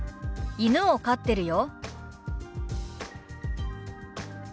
「犬を飼ってるよ」。